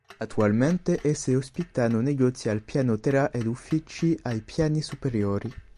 Attualmente esse ospitano negozi al piano terra ed uffici ai piani superiori.